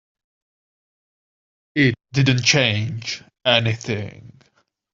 It didn't change anything.